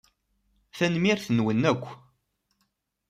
Tanemmirt-nwen akk.